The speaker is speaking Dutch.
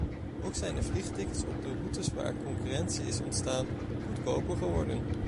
Ook zijn de vliegtickets op de routes waar concurrentie is ontstaan, goedkoper geworden.